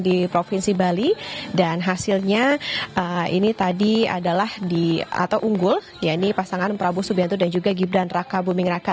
di provinsi bali dan hasilnya ini tadi adalah di atau unggul ya ini pasangan prabowo subianto dan juga gibraltar kabupaten mingraka